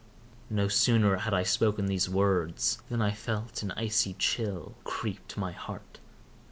No sooner had I spoken these words, than I felt an icy chill creep to my heart.